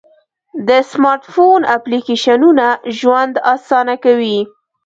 د سمارټ فون اپلیکیشنونه ژوند آسانه کوي.